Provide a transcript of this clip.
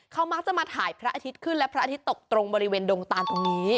เขามักจะมาถ่ายพระอาทิตย์ขึ้นและพระอาทิตย์ตกตรงบริเวณดงตานตรงนี้